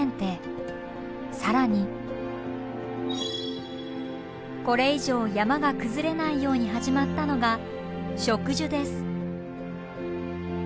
更にこれ以上山が崩れないように始まったのが植樹です。